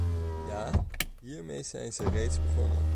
Ja, hiermee zijn ze reeds begonnen.